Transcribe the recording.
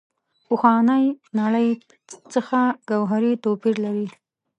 پخوانۍ نړۍ څخه ګوهري توپیر لري.